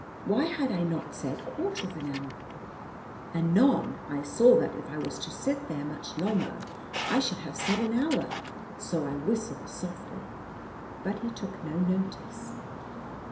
Why had I not said quarter of an hour? Anon, I saw that if I was to sit there much longer I should have said an hour, so I whistled softly; but he took no notice.